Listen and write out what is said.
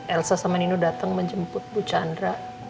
elsa sama nino datang menjemput bu chandra